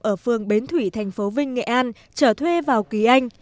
ở phương bến thủy tp vinh nghệ an trở thuê vào kỳ anh